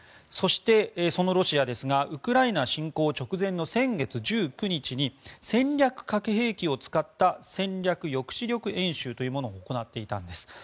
そして、そのロシアですがウクライナ侵攻直前の先月１９日に戦略核兵器を使った戦略抑止力演習というものを行っていたんです。